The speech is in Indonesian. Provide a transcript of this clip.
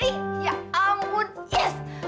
ih ya ampun yes